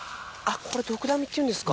これドクダミっていうんですか。